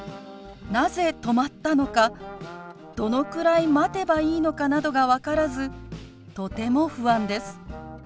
なぜ止まったのかどのくらい待てばいいのかなどが分からずとても不安です。